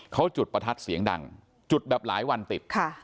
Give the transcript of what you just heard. เขาจุดประทัดเสียงดังจุดแบบหลายวันติด